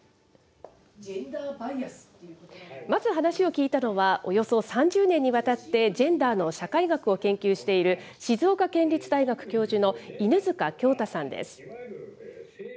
まず話を聞いたのは、およそ３０年にわたってジェンダーの社会学を研究している、静岡県立大学教授の犬塚協太さんです。